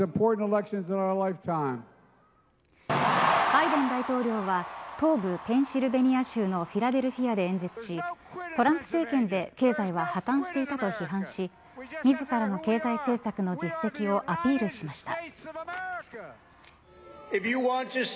バイデン大統領は東部ペンシルベニア州のフィラデルフィアで演説しトランプ政権で経済は破綻していたと批判し自らの経済政策の実績をアピールしました。